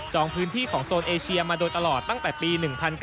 พื้นที่ของโซนเอเชียมาโดยตลอดตั้งแต่ปี๑๙